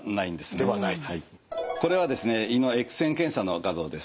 これはですね胃のエックス線検査の画像です。